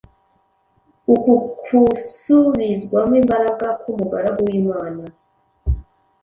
uku kusubizwamo imbaraga k’umugaragu w’Imana